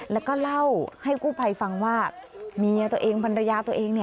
แล้วก็เล่าให้กู้ภัยฟังว่าเมียตัวเองภรรยาตัวเอง